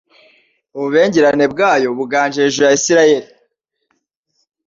Ububengerane bwayo buganje hejuru ya Israheli